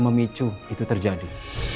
memicu itu terjadi